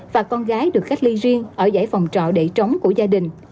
và con gái được cách ly riêng ở giải phòng trọ để trống của gia đình